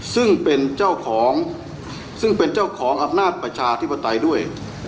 ซึ่งเป็นเจ้าของอำนาจประชาธิปไตยด้วย